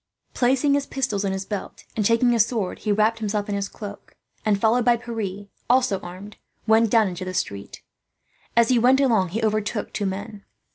Placing his pistols in his belt and taking his sword, he wrapped himself in his cloak and, followed by Pierre, also armed, went down into the street. As he went along he overtook two men.